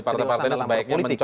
kedewasaan dalam partai politik